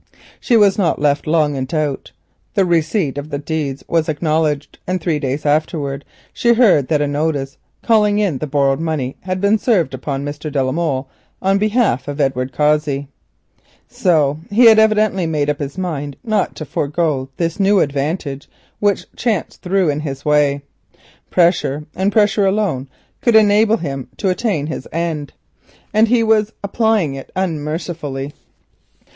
She was not left long in doubt. The receipt of the deeds was acknowledged, and three days afterwards she heard that a notice calling in the borrowed money had been served upon Mr. de la Molle on behalf of Edward Cossey. So he had evidently made up his mind not to forego this new advantage which chance threw in his way. Pressure and pressure alone could enable him to attain his end, and he was applying it unmercifully.